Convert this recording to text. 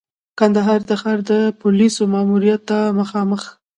کندهار د ښار د پولیسو ماموریت ته مخامخ.